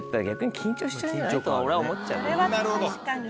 それは確かに。